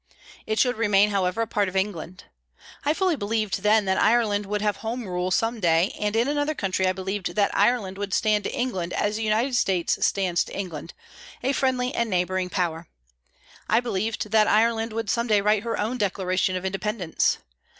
It should remain, however, a part of England. I fully believed then that Ireland would have Home Rule some day, and in another century I believed that Ireland would stand to England as the United States stands to England, a friendly and neighbouring power. I believed that Ireland would some day write her own Declaration of Independence.